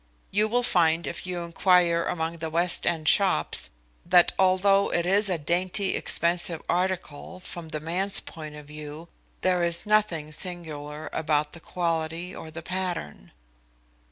You will find if you inquire among the West End shops, that although it is a dainty, expensive article from the man's point of view, there is nothing singular about the quality or the pattern."